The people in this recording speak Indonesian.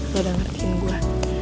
lo udah ngertiin gue